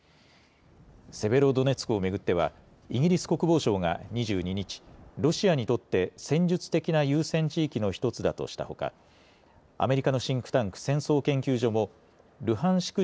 セベロドネツクを巡ってはイギリス国防省が２２日、ロシアにとって戦術的な優先地域の１つだとしたほかアメリカのシンクタンク、戦争研究所もルハンシク